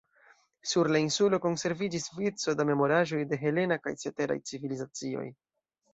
Sur la insulo konserviĝis vico da memoraĵoj de helena kaj ceteraj civilizacioj.